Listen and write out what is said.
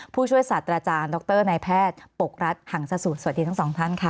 ผู้ช่วยศาสตราจารย์ดรนายแพทย์ปกรัฐหังสสูตรสวัสดีทั้งสองท่านค่ะ